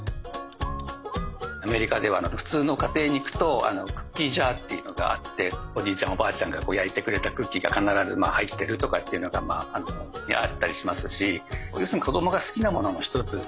アメリカでは普通の家庭に行くとクッキージャーっていうのがあっておじいちゃんおばあちゃんが焼いてくれたクッキーが必ず入ってるとかっていうのがあったりしますし。